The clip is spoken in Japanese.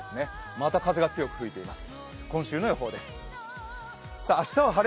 また風が強く吹いています。